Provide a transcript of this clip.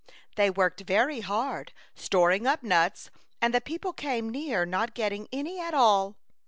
They worked very hard, storing up nuts, and the people came near not get ting any at all.